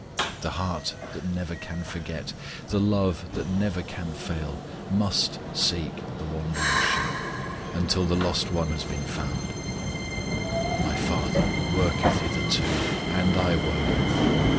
The heart that never can forget, the love that never can fail, must seek the wandering sheep until the lost one has been found: "My FATHER worketh hitherto, and I work."